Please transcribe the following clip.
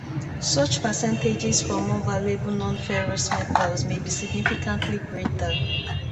Such percentages for more valuable non-ferrous metals may be significantly greater.